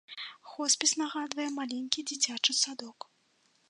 Хоспіс нагадвае маленькі дзіцячы садок.